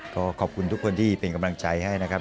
ขอบคุณทุกคนที่เป็นกำลังใจให้นะครับ